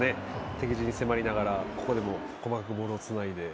敵陣に迫りながらここでも細かくボールをつないで。